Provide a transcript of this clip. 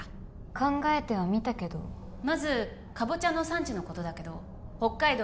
考えてはみたけどまずかぼちゃの産地のことだけど北海道